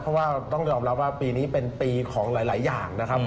เพราะว่าต้องยอมรับว่าปีนี้เป็นปีของหลายอย่างนะครับ